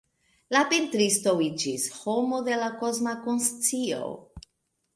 La pentristo iĝis “homo de la kosma konscio.